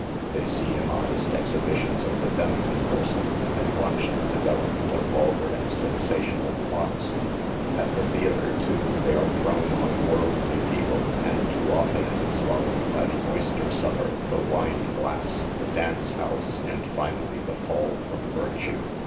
They see immodest exhibitions of the feminine person, and watch the develop ment of vulgar and sensational plots. At the theater, too, they are thrown among worldly people, and too often it is followed by the oyster supper, the wine glass, the dance house — and finally the fall from virtue.